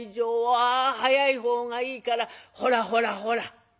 ああ早いほうがいいからほらほらほら」。